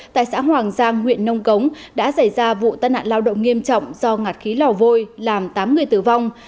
tại xã hoàng giang huyện nông cống đã xảy ra vụ tai nạn lao động nghiêm trọng do ngạt khí lò vôi làm tám người tử vong